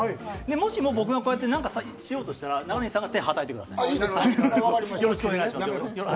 もしも僕が何かしようとしたら、中西さんが手をはたいてください。